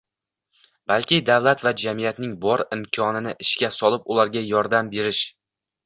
balki davlat va jamiyatning bor imkonini ishga solib ularga yordam berish